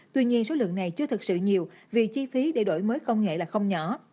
tuy nhiên số lượng này chưa thực sự nhiều vì chi phí để đổi mới công nghệ là không nhỏ